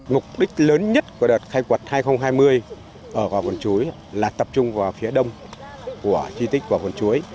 mục đích lớn nhất của đợt khai quật hai nghìn hai mươi ở khảo cổ vườn chuối là tập trung vào phía đông của di trị khảo cổ vườn chuối